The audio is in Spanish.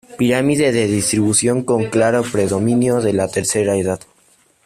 Pirámide de distribución con claro predominio de la tercera edad.